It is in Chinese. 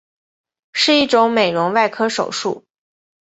是一种美容外科手术。